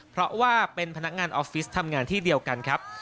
เพราะว่าเป็นพนักงานออฟฟิศทำงานที่เดียวกันครับ